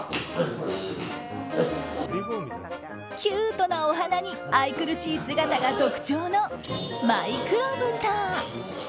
キュートなお鼻に愛くるしい姿が特徴のマイクロブタ。